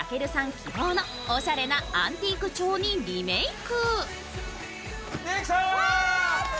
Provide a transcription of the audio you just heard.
希望のおしゃれなアンティーク調にリメーク。